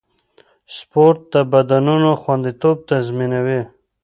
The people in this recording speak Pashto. سپورت د بندونو خونديتوب تضمینوي.